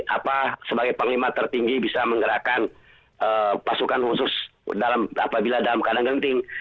saya tidak akan memiliki apa sebagai panglima tertinggi bisa menggerakkan pasukan khusus apabila dalam keadaan genting